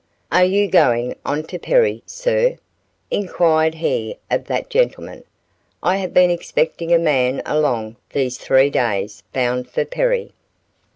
"Are you going on to Perry, sir?" inquired he of that gentleman, "I have been expecting a man along these three days bound for Perry."